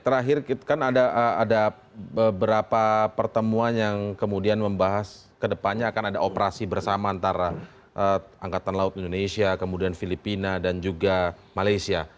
terakhir kan ada beberapa pertemuan yang kemudian membahas kedepannya akan ada operasi bersama antara angkatan laut indonesia kemudian filipina dan juga malaysia